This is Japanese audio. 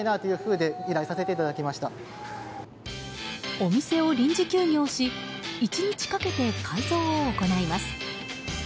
お店を臨時休業し１日かけて改造を行います。